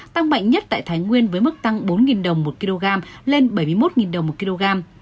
tăng mạnh nhất tại thái nguyên với mức tăng bốn đồng một kg lên bảy mươi một đồng một kg